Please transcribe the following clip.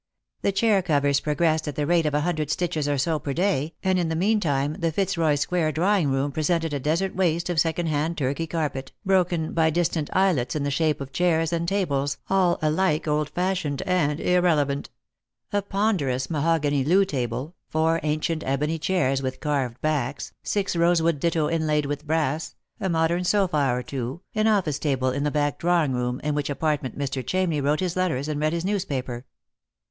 The chair covers progressed at the rate of a hundred stitches or so per day, and in the meantime the Fitz roy square drawing room presented a desert waste of second hand Turkey carpet, broken by distant islets in the shape of chairs and tables, all alike old fashioned and irrelevant ; a ponderous mahogany loo table, four ancient ebony chairs with carved backs, six rosewood ditto inlaid with brass, a modern sofa or two, an office table in the back drawing room, in which apartment Mr. Chamney wrote his letters and read his news paper.